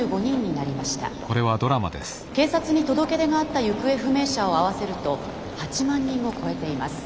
警察に届け出があった行方不明者を合わせると８万人を超えています。